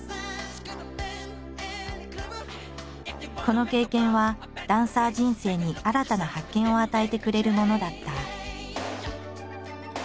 この経験はダンサー人生に新たな発見を与えてくれるものだった。